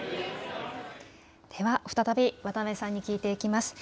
では再び渡辺さんに聞いていきます。